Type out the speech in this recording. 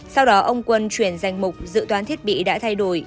sau đó ông quân chuyển danh mục dự toán thiết bị đã thay đổi